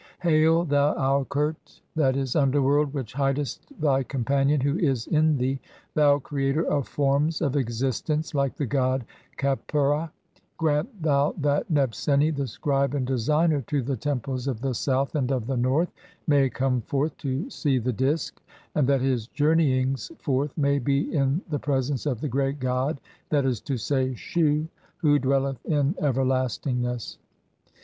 Hail, thou Aukert, "(1. e., underworld) which hidest thy companion who is in thee, "thou creator of forms of existence like the god Khepera, grant "thou that (3i) Nebseni, the scribe and designer to the temples "of the South and of the North, may come forth (32) to see "the Disk, and that his journeyings forth (?) may be in the pre sence of the great god, that is to say, Shu, who dwelleth in "everlastingness.